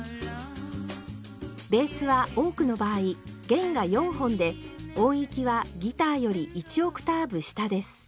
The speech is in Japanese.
ベースは多くの場合弦が４本で音域はギターより１オクターブ下です。